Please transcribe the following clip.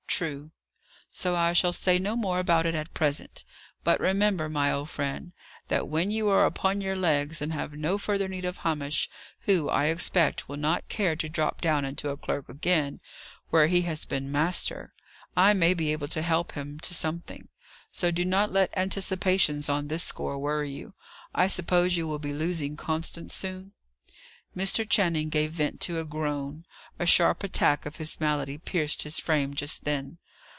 "True." "So I shall say no more about it at present. But remember, my old friend, that when you are upon your legs, and have no further need of Hamish who, I expect, will not care to drop down into a clerk again, where he has been master I may be able to help him to something; so do not let anticipations on his score worry you. I suppose you will be losing Constance soon?" Mr. Channing gave vent to a groan: a sharp attack of his malady pierced his frame just then.